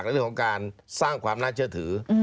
เรื่องของการสร้างความน่าเชื่อถือ